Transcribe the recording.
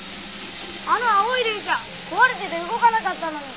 あの青い電車壊れてて動かなかったのに。